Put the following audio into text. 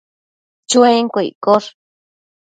Chuenquio iccosh